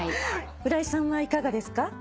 浦井さんはいかがですか？